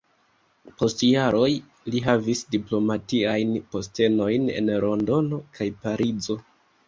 Post jaroj li havis diplomatiajn postenojn en Londono kaj Parizo.